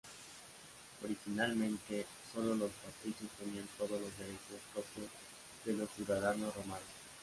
Originalmente, sólo los patricios tenían todos los derechos propios de los ciudadanos romanos.